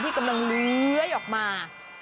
กำลังเลื้อยออกมา